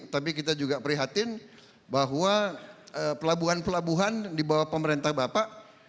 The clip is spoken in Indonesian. tapi kita juga prihatin bahwa pelabuhan pelabuhan di bawah pemerintah bapak